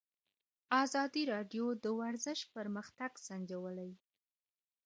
ازادي راډیو د ورزش پرمختګ سنجولی.